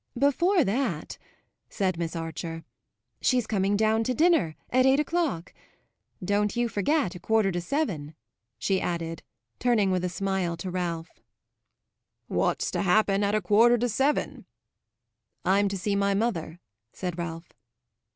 "Before that," said Miss Archer. "She's coming down to dinner at eight o'clock. Don't you forget a quarter to seven," she added, turning with a smile to Ralph. "What's to happen at a quarter to seven?" "I'm to see my mother," said Ralph.